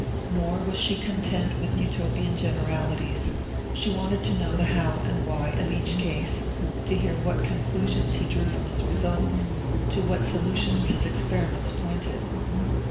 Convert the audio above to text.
Nor was she content with Utopian generalities: she wanted to know the how and why of each case, to hear what conclusions he drew from his results, to what solutions his experiments pointed.